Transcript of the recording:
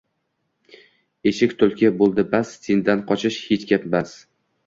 Eshit, tulki, bo’ldi bas, sendan qochish hech gapmas